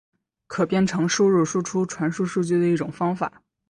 可编程输入输出传输数据的一种方法。